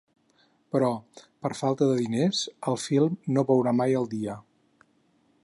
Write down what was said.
Però, per falta de diners, el film no veurà mai el dia.